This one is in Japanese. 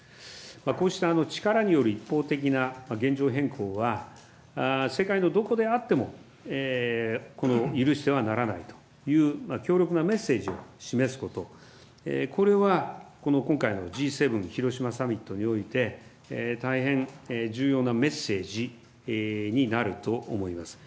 こうした力による一方的な現状変更は、世界のどこであっても、許してはならないという強力なメッセージを示すこと、これはこの今回のＧ７広島サミットにおいて、大変重要なメッセージになると思います。